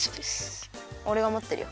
おれがもってるよ。